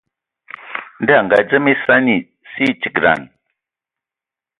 Ndɔ a ngadzem esani, sie tigedan.